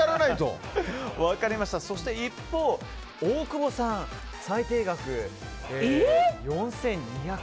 そして、一方の大久保さん最低額、４２００円。